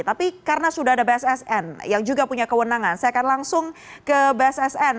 tapi karena sudah ada bssn yang juga punya kewenangan saya akan langsung ke bssn